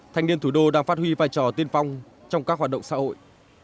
thanh niên thủ đô đang phát huy vai trò tiên phong trong các hoạt động xã hội